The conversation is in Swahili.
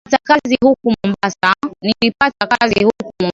Nilipata kazi huku mombasa